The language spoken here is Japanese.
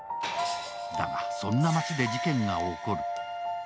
だが、そんな町で事件が起こる。